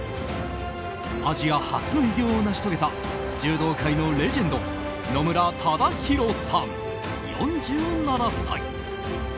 アジア初の偉業を成し遂げた柔道界のレジェンド野村忠宏さん、４７歳。